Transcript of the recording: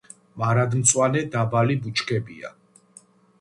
მარადმწვანე დაბალი ბუჩქებია.